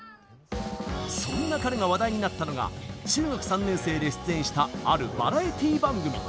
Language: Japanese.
そんな彼が話題になったのが中学３年生で出演したあるバラエティー番組。